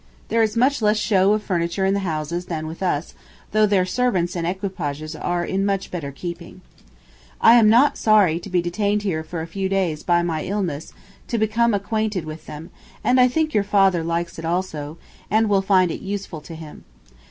There is much less show of furniture in the houses than with us, though their servants and equipages are in much better keeping. I am not sorry to be detained here for a few days by my illness to become acquainted with them, and I think your father likes it also, and will find it useful to him.